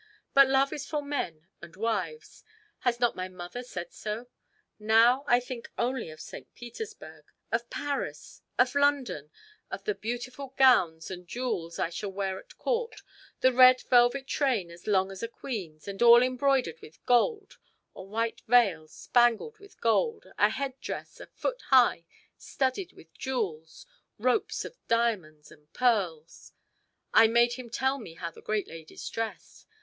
But love is for men and wives has not my mother said so? Now I think only of St. Petersburg! of Paris! of London! of the beautiful gowns and jewels I shall wear at court a red velvet train as long as a queen's, and all embroidered with gold, a white veil spangled with gold, a head dress a foot high studded with jewels, ropes of diamonds and pearls I made him tell me how the great ladies dressed.